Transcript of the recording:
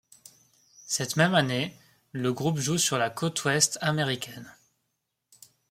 Cette même année, le groupe joue sur la côte ouest américaine.